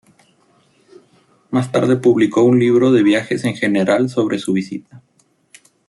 Más tarde publicó un libro de viajes en general sobre su visita.